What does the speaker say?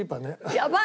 やばい！